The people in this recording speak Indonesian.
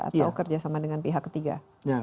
atau kerjasama dengan pihak ketiga